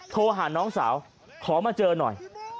โทรหาน้องสาวขอมาเจอหน่อย